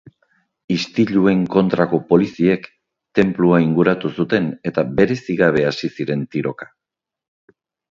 Istiluen kontrako poliziek tenplua inguratu zuten eta bereizi gabe hasi ziren tiroka.